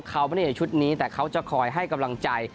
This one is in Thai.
เขาไม่ได้อยู่ในชุดนี้แต่เขาจะคอยให้กำลังใจ